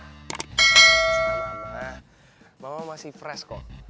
bisa ma mama masih fresh kok